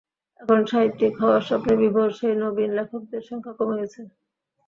এখন সাহিত্যিক হওয়ার স্বপ্নে বিভোর সেই নবীন লেখকদের সংখ্যা কমে গেছে।